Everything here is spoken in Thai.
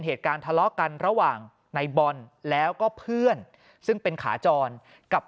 เหตุการณ์ทะเลาะกันระหว่างในบอลแล้วก็เพื่อนซึ่งเป็นขาจรกับ